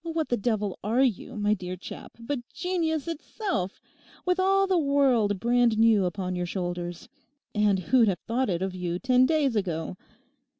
What the devil are you, my dear chap, but genius itself, with all the world brand new upon your shoulders? And who'd have thought it of you ten days ago?